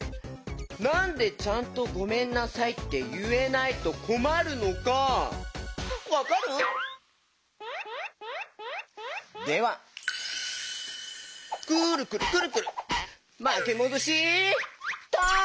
なんでちゃんと「ごめんなさい」っていえないとこまるのかわかる？ではくるくるくるくるまきもどしタイム！